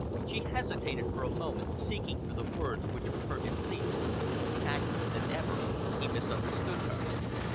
She hesitated for a moment, seeking for the words which would hurt him least. Tactless as ever, he misunderstood her.